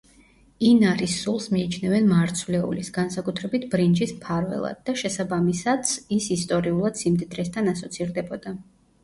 ინარის სულს მიიჩნევენ მარცვლეულის, განსაკუთრებით ბრინჯის მფარველად, და შესაბამისაც ის ისტორიულად სიმდიდრესთან ასოცირდებოდა.